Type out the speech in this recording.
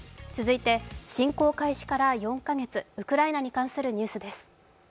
侵攻開始から４カ月、ウクライナに関するニュースです。